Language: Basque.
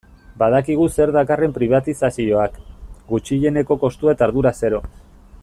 Badakigu zer dakarren pribatizazioak, gutxieneko kostua eta ardura zero.